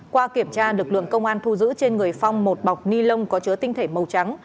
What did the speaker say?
qua kiểm tra lực lượng công an thu giữ trên người phong một bọc ni lông có chứa tinh thể màu trắng